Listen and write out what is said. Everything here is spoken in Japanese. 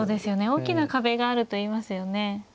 大きな壁があるといいますよね。